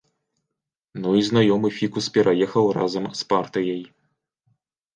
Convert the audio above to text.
Ну і знаёмы фікус пераехаў разам з партыяй.